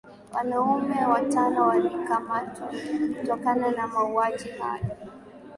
Wanaume watano walikamatwa kutokana na mauaji hayo